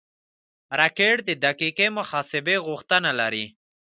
راکټ د دقیقې محاسبې غوښتنه لري